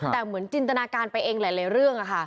แต่เหมือนจินตนาการไปเองหลายเรื่อง